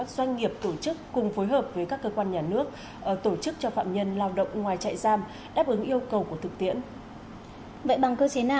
xin chào các bạn